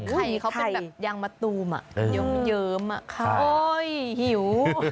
ไข่เค้าเป็นแบบยางมะตูมอะเยิมอ่ะโอ้ยหิว